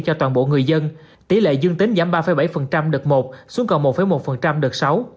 cho toàn bộ người dân tỷ lệ dương tính giảm ba bảy đợt một xuống còn một một đợt sáu